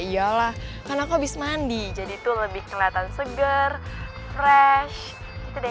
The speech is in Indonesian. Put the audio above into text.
eh iyalah kan aku abis mandi jadi tuh lebih keliatan segar fresh gitu deh